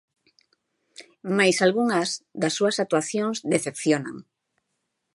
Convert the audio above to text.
Mais algunhas das súas actuacións decepcionan.